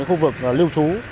khu vực lưu trú